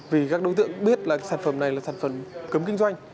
vì các đối tượng biết là sản phẩm này là sản phẩm cấm kinh doanh